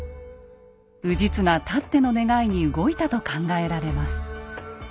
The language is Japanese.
氏綱たっての願いに動いたと考えられます。